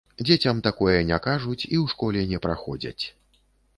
Дзецям такое не кажуць і ў школе не праходзяць.